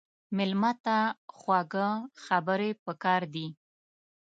مېلمه ته خواږه خبرې پکار دي.